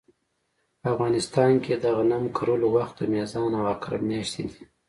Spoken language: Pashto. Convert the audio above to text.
په افغانستان کې د غنمو کرلو وخت د میزان او عقرب مياشتې دي